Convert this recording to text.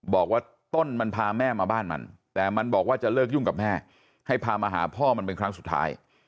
บอกว่าต้นมันพาแม่มาบ้านมันแต่มันบอกว่าจะเลิกยุ่งกับแม่ให้พามาหาพ่อมันเป็นครั้งสุดท้าย